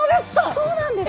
そうなんです！